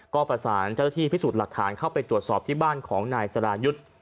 ก็ประสานเจ้าหน้าที่พิสูจน์หลักฐานเข้าไปตรวจสอบที่บ้านของนายสรายุทธ์